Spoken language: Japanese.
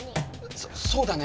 そそうだね。